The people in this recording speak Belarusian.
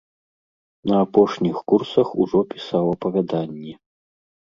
На апошніх курсах ужо пісаў апавяданні.